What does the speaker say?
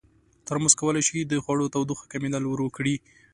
ترموز کولی شي د خوړو تودوخې کمېدل ورو کړي.